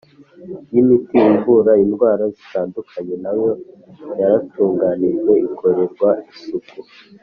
y imiti ivura indwara zitandukanye nayo yaratunganijwe ikorerwa isuku